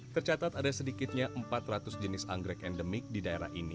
tercatat ada sedikitnya empat ratus jenis anggrek endemik di daerah ini